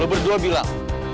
lo berdua bilang